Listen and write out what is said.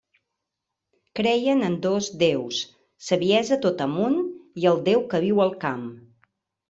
Creien en dos déus, Saviesa tota Amunt i el Déu que Viu al Camp.